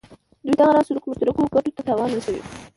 د دوی دغه راز سلوک مشترکو ګټو ته تاوان رسوي.